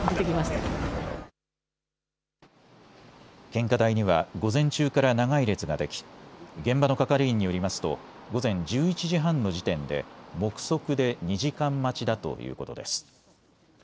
献花台には午前中から長い列ができ現場の係員によりますと午前１１時半の時点で目測で２時間待ちだということです。